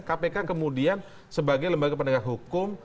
kpk kemudian sebagai lembaga penegak hukum